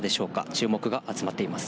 注目が集まっています。